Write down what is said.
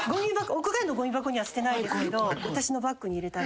屋外のごみ箱には捨てないですけど私のバッグに入れたりとか。